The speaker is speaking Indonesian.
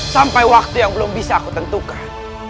sampai waktu yang belum bisa aku tentukan